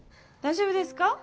大丈夫ですか？